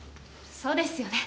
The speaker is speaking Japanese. そうですよね？